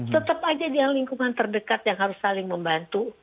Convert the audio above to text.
tetap aja dia lingkungan terdekat yang harus saling membantu